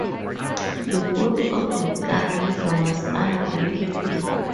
The body of the Gandiva was unbreakable.